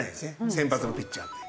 先発のピッチャーって。